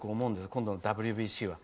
今度のＷＢＣは。